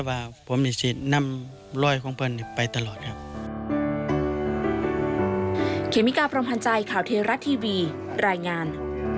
ให้พวกนี้คิดว่าผมมีนำรอยของพวกนี้ไปตลอด